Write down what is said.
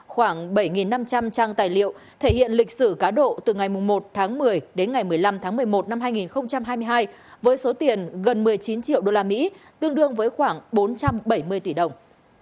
khoảng bảy năm trăm linh trang tài liệu thể hiện lịch sử cá độ từ ngày một tháng một mươi đến ngày một mươi năm tháng một mươi một năm hai nghìn hai mươi hai với số tiền gần một mươi chín triệu usd tương đương với khoảng bốn trăm bảy mươi tỷ đồng